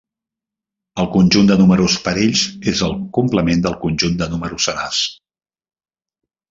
El conjunt de números parells és el complement del conjunt de números senars.